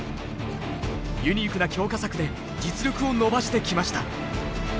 ユニークな強化策で実力を伸ばしてきました。